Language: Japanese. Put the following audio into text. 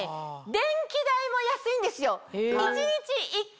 電気代も安いんですよ。